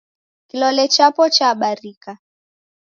kilole chapo chabarika